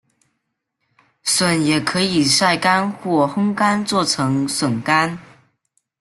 笋也可以晒干或烘干做成笋干。